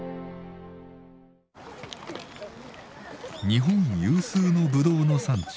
日本有数のぶどうの産地